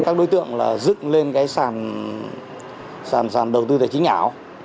các đối tượng là dựng lên cái sàn đầu tư tài chính ảo